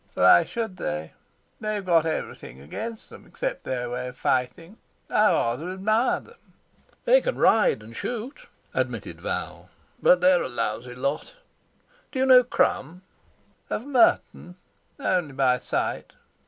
"Why should they? They've got everything against them except their way of fighting. I rather admire them." "They can ride and shoot," admitted Val, "but they're a lousy lot. Do you know Crum?" "Of Merton? Only by sight.